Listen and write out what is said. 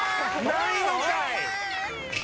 ないのかい。